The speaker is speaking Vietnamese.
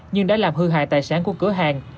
nhưng đã làm hư hại tài sản của cửa hàng